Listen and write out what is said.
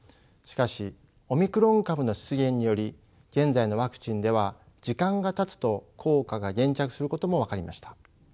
しかしオミクロン株の出現により現在のワクチンでは時間がたつと効果が減弱することも分かりました。